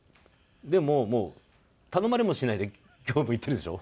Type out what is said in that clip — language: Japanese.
でももう頼まれもしないで今日も言ってるでしょ？